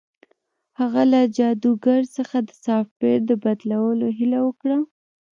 هغه له جادوګر څخه د سافټویر د بدلولو هیله وکړه